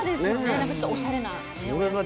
なんかちょっとおしゃれなお野菜で。